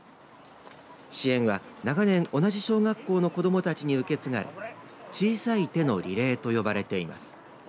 支援は長年、同じ小学校の子どもたちに受け継がれ小さい手のリレーと呼ばれています。